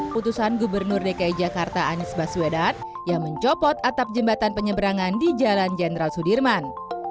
putusan gubernur dki jakarta anies baswedan yang mencopot atap jembatan penyeberangan di jalan jenderal sudirman